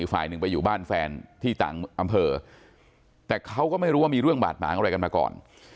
ฝ่ายหนึ่งไปอยู่บ้านแฟนที่ต่างอำเภอแต่เขาก็ไม่รู้ว่ามีเรื่องบาดหมางอะไรกันมาก่อน